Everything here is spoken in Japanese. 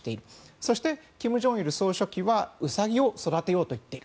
そして金正日総書記もウサギを育てようといっている。